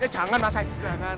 jangan mas haiz